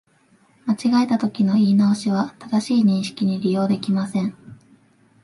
間違えたときの言い直しは、正しい認識に利用できません